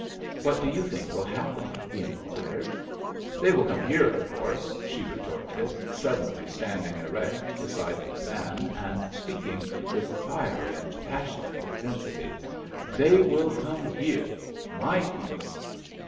"What do you think will happen?" he inquired. "They will come here, of course," she retorted, suddenly standing erect beside the divan and speaking with fiery and passionate intensity, "they will come here—my people!"